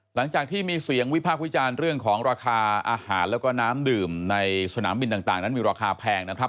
หลังจากที่มีเสียงวิพากษ์วิจารณ์เรื่องของราคาอาหารแล้วก็น้ำดื่มในสนามบินต่างนั้นมีราคาแพงนะครับ